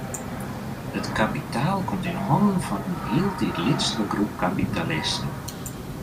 It kapitaal komt yn hannen fan in hieltyd lytsere groep kapitalisten.